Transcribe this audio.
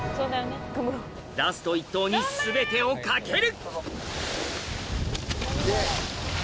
ラスト１投に全てを懸ける！